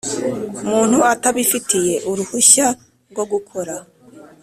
muntu atabifitiye uruhushya rwo gukora